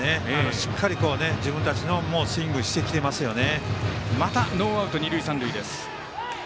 しっかり自分たちの思うスイングしてきていますよね。